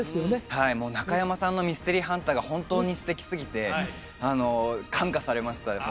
はいもう中山さんのミステリーハンターが本当に素敵すぎて感化されましたね